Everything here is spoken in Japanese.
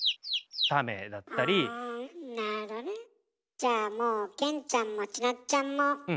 じゃあもう健ちゃんもちなっちゃんもえ！